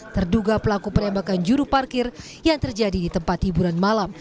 terduga pelaku penembakan juru parkir yang terjadi di tempat hiburan malam